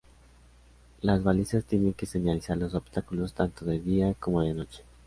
Las balizas tienen que señalizar los obstáculos tanto de día como de noche.